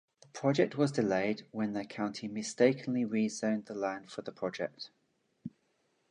The project was delayed when the county mistakenly rezoned the land for the project.